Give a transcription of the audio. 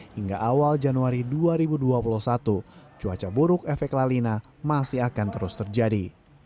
hingga awal januari dua ribu dua puluh satu cuaca buruk efek lalina masih akan terus terjadi